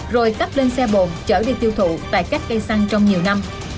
rồi tắp lên xe bồn chở đi tiêu thụ tại các cây xăng trong nhiều năm